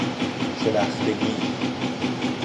شلختگی